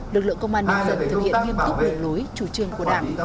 lực lượng công an nhân dân thực hiện nghiêm túc đường lối chủ trương của đảng